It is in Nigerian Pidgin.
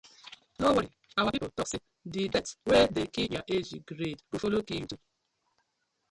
No worry, our pipu tok say di death wey di kill yah age grade go follow kill yu too.